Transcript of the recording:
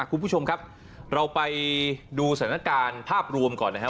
คุณผู้ชมครับเราไปดูสถานการณ์ภาพรวมก่อนนะครับ